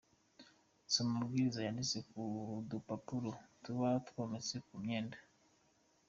Soma amabwiriza yanditse ku dupapuro tuba twometse ku myenda.